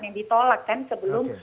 yang ditolak kan sebelum